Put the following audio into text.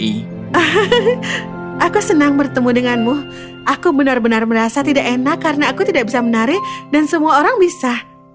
hahaha aku senang bertemu denganmu aku benar benar merasa tidak enak karena aku tidak bisa menari dan semua orang bisa